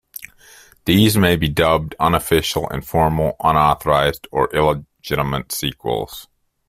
These may be dubbed unofficial, informal, unauthorized, or illegitimate sequels.